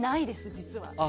実は。